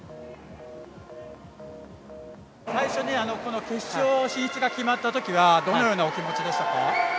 最初この決勝進出が決まった時はどのようなお気持ちでしたか？